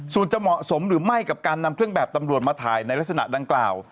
ส่วนจะเหมาะสมหรือไม่กับการนำเครื่องแบบตำรวจมาถ่ายในลักษณะดังกล่าว